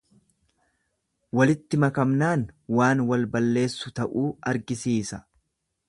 Walitti makamnaan waan wal balleessu ta'uu argisiisa.